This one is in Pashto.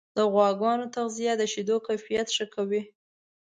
د غواګانو تغذیه د شیدو کیفیت ښه کوي.